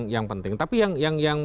yang penting tapi yang